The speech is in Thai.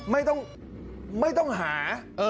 ไม่ต้องไม่ต้องหา